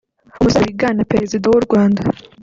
umusore wigana Perezida w’u Rwanda